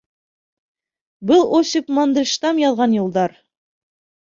Был — Осип Мандельштам яҙған юлдар.